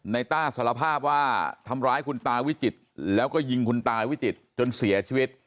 ต้าสารภาพว่าทำร้ายคุณตาวิจิตรแล้วก็ยิงคุณตาวิจิตรจนเสียชีวิต